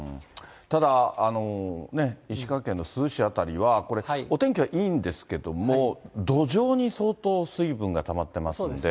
ただ、ね、石川県の珠洲市辺りはこれ、お天気はいいんですけれども、土壌に相当水分がたまってますんで。